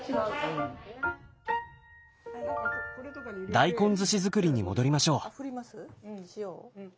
大根ずし作りに戻りましょう。